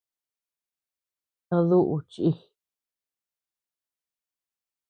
¿A duʼu chíʼ?